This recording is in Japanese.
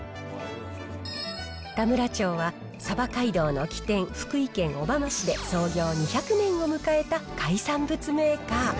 田村長は鯖街道の起点、福井県小浜市で創業２００年を迎えた海産物メーカー。